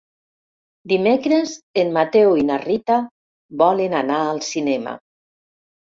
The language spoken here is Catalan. Dimecres en Mateu i na Rita volen anar al cinema.